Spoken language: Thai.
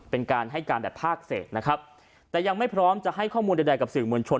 เป็นการให้การแบบภาคเศษนะครับแต่ยังไม่พร้อมจะให้ข้อมูลใดกับสื่อมวลชน